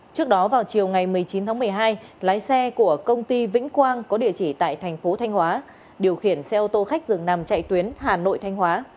trước đó vào chiều ngày một mươi chín tháng một mươi hai lái xe của công ty vĩnh quang có địa chỉ tại thành phố thanh hóa điều khiển xe ô tô khách dừng nằm chạy tuyến hà nội thanh hóa